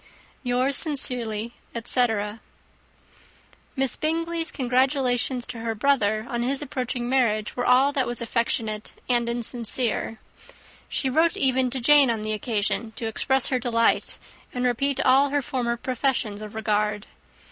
"Yours sincerely," etc. Miss Bingley's congratulations to her brother on his approaching marriage were all that was affectionate and insincere. She wrote even to Jane on the occasion, to express her delight, and repeat all her former professions of regard.